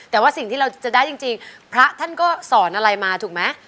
แต่ว่าสิ่งที่เราจะได้จริงพระท่านก็สอนอะไรมาถูกไหม